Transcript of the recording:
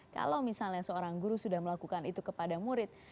kalau misalnya seorang guru sudah melakukan itu kepada murid